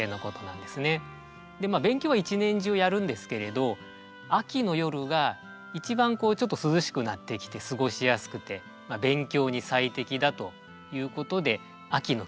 で勉強は一年中やるんですけれど秋の夜が一番涼しくなってきて過ごしやすくて勉強に最適だということで秋の季語になっていますね。